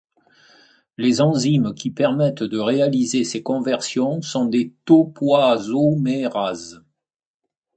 Les enzymes qui permettent de réaliser ces conversions sont des topoisomérases.